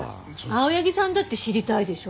青柳さんだって知りたいでしょ？